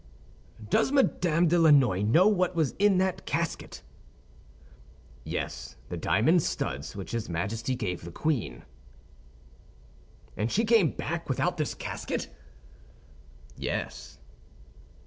"Does Madame de Lannoy know what was in that casket?" "Yes; the diamond studs which his Majesty gave the queen." "And she came back without this casket?" "Yes."